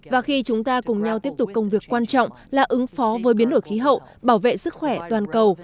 và khi chúng ta cùng nhau tiếp tục công việc quan trọng là ứng phó với biến đổi khí hậu bảo vệ sức khỏe toàn cầu